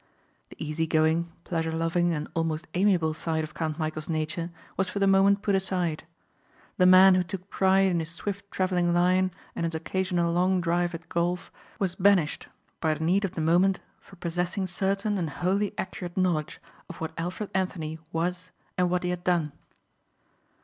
The easy going, pleasure loving and almost amiable side of Count Michæl's nature was for the moment put aside. The man who took pride in his swift travelling Lion and his occasional long drive at golf was banished by the need of the moment for possessing certain and wholly accurate knowledge of what Alfred Anthony was and what he had done.